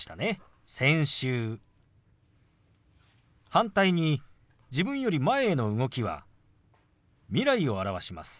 反対に自分より前への動きは未来を表します。